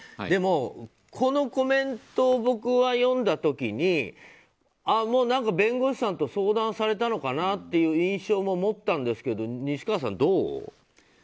でも、このコメントを僕は読んだ時にもう弁護士さんと相談されたのかなという印象も持ったんですけど西川さん、どう？